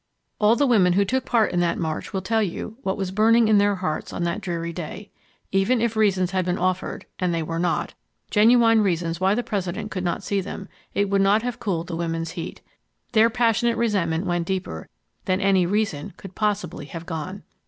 All the women who took part in that march will tell you what was burning in their hearts on that dreary day. Even if reasons had been offered—and they were not—genuine reasons why the President could not see them, it would not have cooled the women's heat. Their passionate resentment went deeper than any reason could possibly have gone.